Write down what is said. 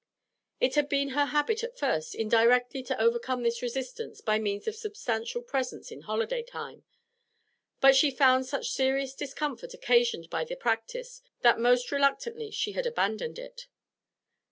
It had been her habit at first indirectly to overcome this resistance by means of substantial presents in holiday time; but she found such serious discomfort occasioned by the practice that most reluctantly she had abandoned it.